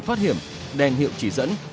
thoát hiểm đèn hiệu chỉ dẫn